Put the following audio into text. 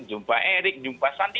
jumpa erik jumpa santi